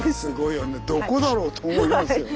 どこだろうと思いますよね。